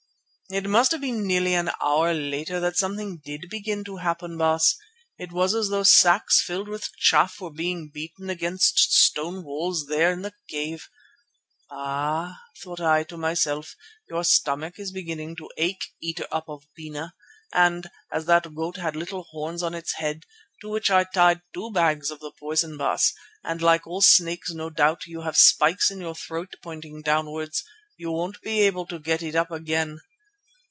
"It must have been nearly an hour later that something did begin to happen, Baas. It was as though sacks filled with chaff were being beaten against stone walls there in the cave. Ah! thought I to myself, your stomach is beginning to ache, Eater up of Bena, and, as that goat had little horns on its head—to which I tied two of the bags of the poison, Baas—and, like all snakes, no doubt you have spikes in your throat pointing downwards, you won't be able to get it up again.